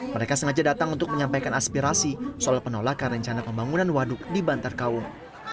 mereka sengaja datang untuk menyampaikan aspirasi soal penolakan rencana pembangunan waduk di bantar kaung